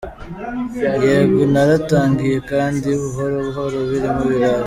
Yego naratangiye kandi buhoro buhoro birimo biraza.